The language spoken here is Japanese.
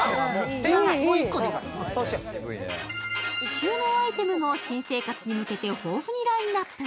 収納アイテムも新生活に向けて豊富にラインナップ。